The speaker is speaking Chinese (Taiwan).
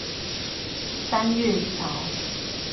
山月橋